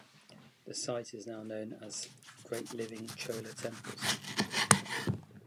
The site is now known as the "Great Living Chola Temples".